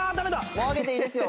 もう上げていいですよ。